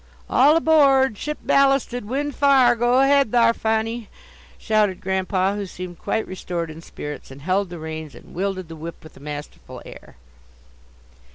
"All aboard! ship ballasted! wind fa'r! go ahead thar', Fanny!" shouted Grandpa, who seemed quite restored in spirits, and held the reins and wielded the whip with a masterful air.